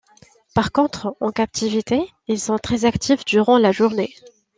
Par contre, en captivité, ils sont très actifs durant la journée.